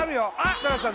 設楽さん